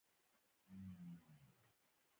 د کتاب چاپولو صنعت څنګه دی؟